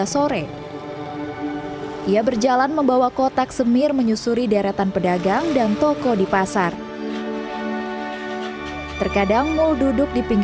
saya mengajak payung